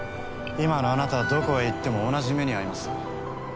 今のあなたはどこへ行っても同じ目に遭います。